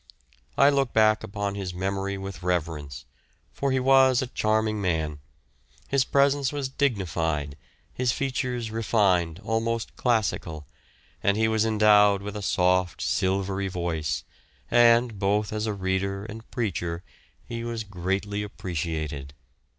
I look back upon his memory with reverence, for he was a charming man; his presence was dignified, his features refined, almost classical, and he was endowed with a soft, silvery voice, and, both as a reader and preacher, he was greatly appreciated.